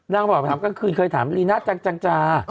นางบอกกลางคืนเคยถามลีน่าจังจังจ่า